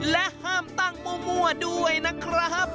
และห้ามตั้งมั่วด้วยนะครับ